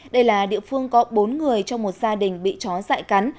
đây là địa phương có bốn người trong một gia đình bị chó dại cắn